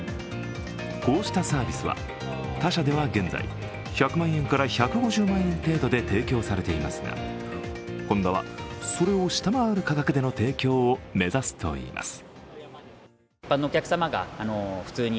こうしたサービスは他社では現在、１００万円から１５０万円程度で提供されていますが、ホンダはそれを下回る価格での提供を目指すといいます。